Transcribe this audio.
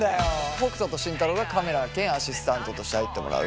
北斗と慎太郎がカメラ兼アシスタントとして入ってもらう。